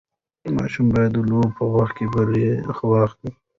ماشوم باید د لوبو په وخت برخه واخلي.